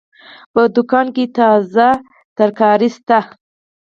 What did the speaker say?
په دوکان کې تازه سبزيانې شته.